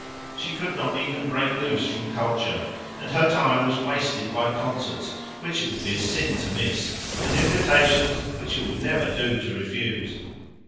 She could not even break loose from culture, and her time was wasted by concerts which it would be a sin to miss, and invitations which it would never do to refuse.